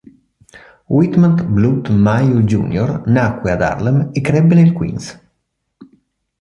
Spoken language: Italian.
Whitman Blount Mayo Jr. nacque ad Harlem e crebbe nel Queens.